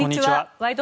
「ワイド！